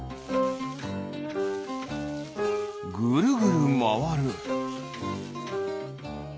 ぐるぐるまわる。